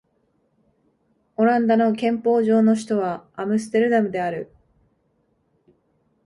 オランダの憲法上の首都はアムステルダムである